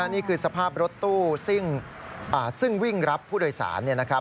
นี่คือสภาพรถตู้ซึ่งวิ่งรับผู้โดยสารเนี่ยนะครับ